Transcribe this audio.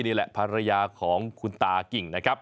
นี่แหละภรรยาของคุณตากิ่งนะครับ